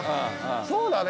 そうだね。